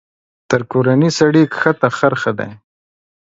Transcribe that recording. تر کورني سړي کښته خر ښه دى.